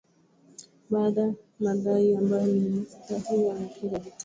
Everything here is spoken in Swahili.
baada madai ambayo minister huyo amepinga vikali